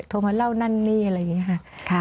โทรมาเล่านั่นนี่อะไรอย่างนี้ค่ะ